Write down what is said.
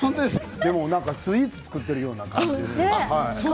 でもスイーツを作っているような感じです。